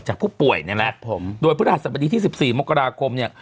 แต่ผู้ป่วยเนี่ยแหละโดยพฤหัสบดีที่๑๔มกราคมเนี่ย